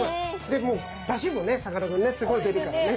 でもうだしもねさかなクンねすごい出るからね。